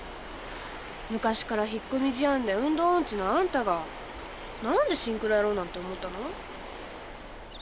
昔から引っ込み思案で運動音痴のあんたが何でシンクロやろうなんて思ったの？